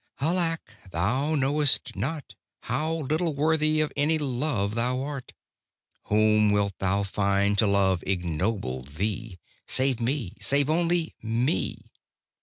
Alack, thou knowest not How little worthy of any love thou art! Whom wilt thou find to love ignoble thee, Save Me, save only Me?